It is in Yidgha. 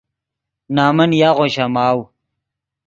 نَمن یاغو شَماؤ